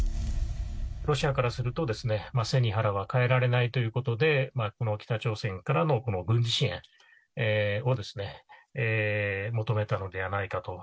ロシアからすると、背に腹は代えられないということで、この北朝鮮からの軍事支援を求めたのではないかと。